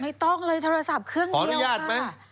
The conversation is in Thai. ไม่ต้องเลยโทรศัพท์เครื่องเดียวใช่ไหม